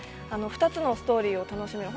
２つのストーリーを楽しめる。